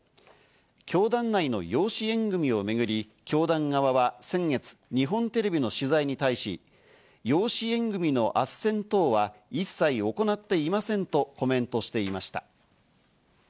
教団内の養子縁組をめぐり教団側は先月、日本テレビの取材に対し、養子縁組のあっせん等は一切行っていませんとコメントしていました。